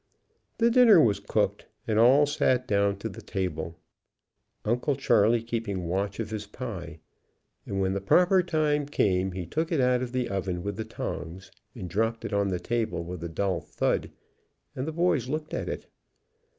The dinner was cooked and all sat down to the table, Uncle Charley keeping watch of his pie, and when the proper time came he took it out of the oven with the tongs, and dropped it on the table with a dull thud, and the boys looked at it.